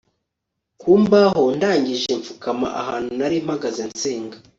kumbaho ndangije mfukama ahantu nari mpagaze nsenga